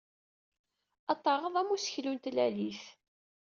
Ad taɣeḍ am useklu n Tlalit.